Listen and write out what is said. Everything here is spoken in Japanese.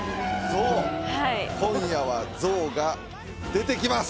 はい今夜はゾウが出てきます！